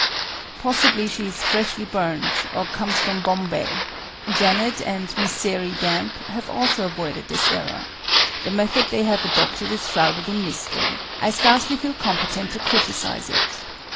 Possibly she is "Freshly Burnt," or comes "From Bombay." JANET and MRS. SAIREY GAMP have also avoided this error: the method they have adopted is shrouded in mystery I scarcely feel competent to criticize it.